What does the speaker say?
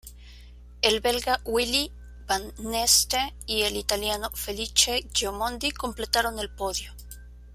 El belga Willy Van Neste y el italiano Felice Gimondi completaron el podio.